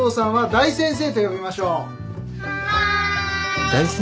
大先生。